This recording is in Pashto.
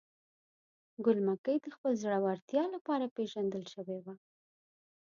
ګل مکۍ د خپل زړورتیا لپاره پیژندل شوې وه.